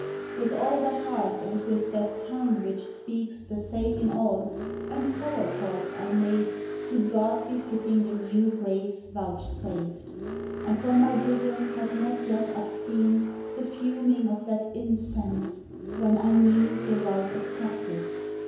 With all the heart, and with that tongue which speaks The same in all, an holocaust I made To God befitting the new grace vouchsafed. And from my bosom had not vet upsteamed The fuming of that incense, when I knew The rite accepted.